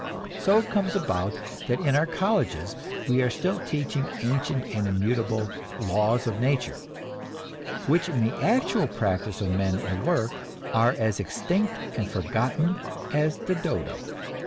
So it comes about that in our colleges we are still teaching ancient and immutable "laws of nature," which in the actual practice of men at work are as extinct and forgotten as the dodo.